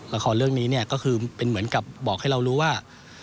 ละครเรื่องนี้เนี่ยก็คือเป็นเหมือนกับบอกให้เรารู้ว่า